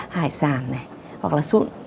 hải sản sụn